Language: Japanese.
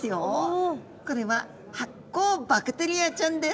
これは発光バクテリアちゃんです。